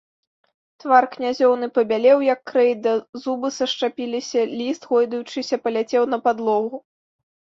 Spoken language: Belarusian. Твар князёўны пабялеў, як крэйда, зубы сашчапіліся, ліст, гойдаючыся, паляцеў на падлогу.